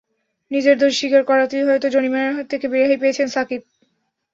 নিজের দোষ স্বীকার করাতেই হয়তো জরিমানার হাত থেকে রেহাই পেয়েছেন সাকিব।